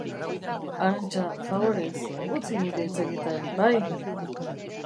Arantxa, faborez, utzi niri hitz egiten, bai?